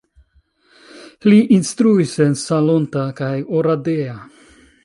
Li instruis en Salonta kaj Oradea.